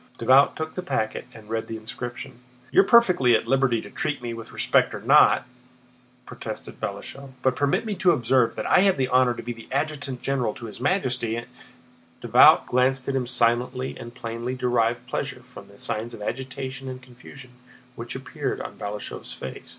Davout took the packet and read the inscription. "You are perfectly at liberty to treat me with respect or not," protested Balashëv, "but permit me to observe that I have the honor to be adjutant general to His Majesty...." Davout glanced at him silently and plainly derived pleasure from the signs of agitation and confusion which appeared on Balashëv's face.